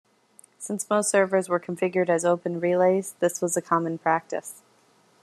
Since most servers were configured as "open relays", this was a common practice.